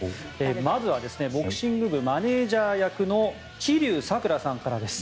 まずはボクシング部マネジャー役の吉柳咲良さんからです。